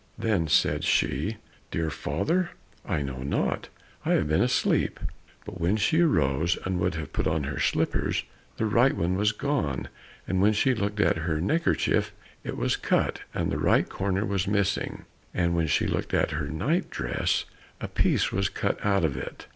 Then said she, "Dear father, I know not, I have been asleep." But when she arose and would have put on her slippers, the right one was gone, and when she looked at her neck kerchief it was cut, and the right corner was missing, and when she looked at her night dress a piece was cut out of it.